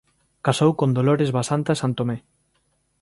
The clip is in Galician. Casou con Dolores Basanta Santomé.